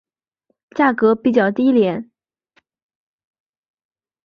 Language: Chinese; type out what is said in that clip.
价格比较低廉。